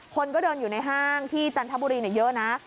คนก็เดินอยู่ในห้างที่จันทบุรีเยอะนะ